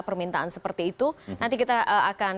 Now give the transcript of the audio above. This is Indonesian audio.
permintaan seperti itu nanti kita akan